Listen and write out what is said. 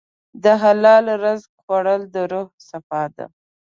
د حلال رزق خوړل د روح صفا ده.